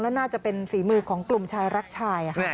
น่าจะเป็นฝีมือของกลุ่มชายรักชาย